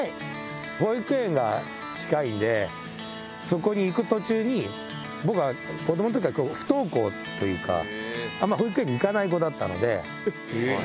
保育園が近いんで、そこに行く途中に、僕は子どものときから不登校というか、あんま保育園に行かない子だったので。